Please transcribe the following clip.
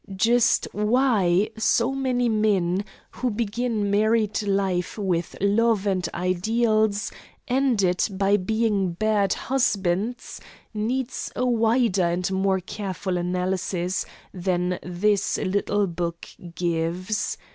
Just why so many men who begin married life with love and ideals, end it by being bad husbands, needs a wider and more careful analysis than this little book gives.